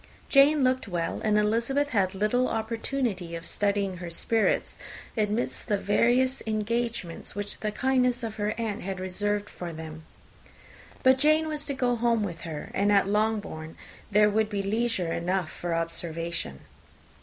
Jane looked well, and Elizabeth had little opportunity of studying her spirits, amidst the various engagements which the kindness of her aunt had reserved for them. But Jane was to go home with her, and at Longbourn there would be leisure enough for observation.